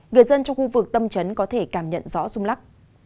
người dân trong khu vực tâm trấn có thể cảm nhận rõ rung lắc